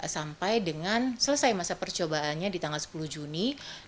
sampai dengan selesai masa percobaannya di tanggal sepuluh juni dua ribu dua puluh